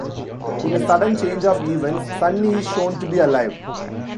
In a sudden change of events, Sunny is shown to be alive.